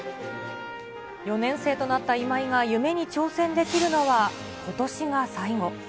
４年生となった今井が夢に挑戦できるのは、ことしが最後。